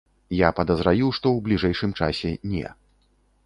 Я падазраю, што ў бліжэйшым часе не.